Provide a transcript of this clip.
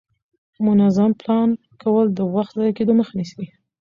منظم پلان کول د وخت ضایع کېدو مخه نیسي